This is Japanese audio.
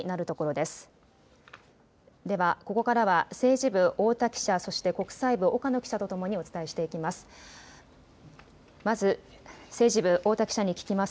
ではここからは政治部太田記者、そして国際部岡野記者とともにお伝えしていきます。